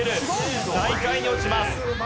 最下位に落ちます。